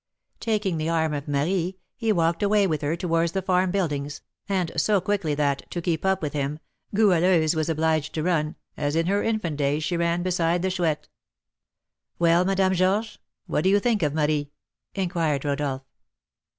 Taking the arm of Marie, he walked away with her towards the farm buildings, and so quickly, that, to keep up with him, Goualeuse was obliged to run, as in her infant days she ran beside the Chouette. "Well, Madame Georges, what do you think of Marie?" inquired Rodolph.